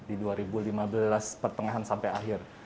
di dua ribu lima belas pertengahan sampai akhir